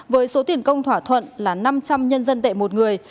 với số tiền công thỏa thuận là năm trăm linh nhân dân tệ một người